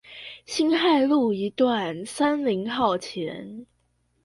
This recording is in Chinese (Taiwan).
辛亥路一段三〇號前